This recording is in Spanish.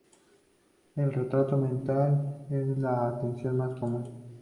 El retraso mental es la alteración más común.